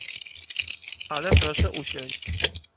Ale proszę usiąść.